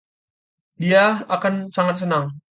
Dia akan sangat senang.